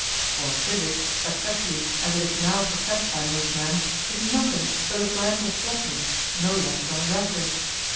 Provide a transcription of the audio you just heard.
For physic, especially as it is now professed by most men, is nothing but a branch of flattery, no less than rhetoric.